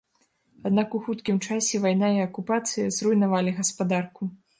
Аднак у хуткім часе вайна і акупацыя зруйнавалі гаспадарку.